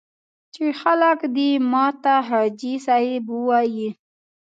چې خلک دې ماته حاجي صاحب ووایي.